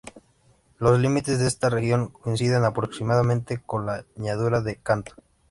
Los límites de esta región coinciden, aproximadamente, con la Llanura de Kantō.